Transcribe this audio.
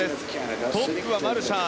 トップはマルシャン